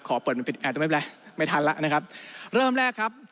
ขอเปิดมันผิดไม่ทันแล้วนะครับ